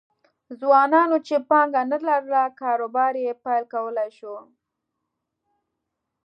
ځوانانو چې پانګه نه لرله کاروبار یې پیل کولای شو